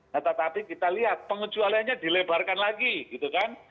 nah tetapi kita lihat pengecualiannya dilebarkan lagi gitu kan